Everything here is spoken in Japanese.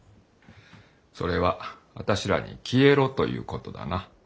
それはあたしらに消えろということだな。